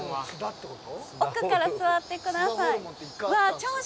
奥から座ってください。